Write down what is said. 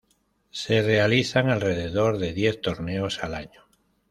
Se realizan alrededor de diez torneos al año.